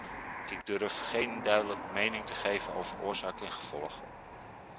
Ik durf geen duidelijke mening te geven over oorzaak en gevolg.